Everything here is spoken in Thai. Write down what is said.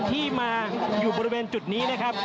ที่มาอยู่บริเวณจุดนี้นะครับ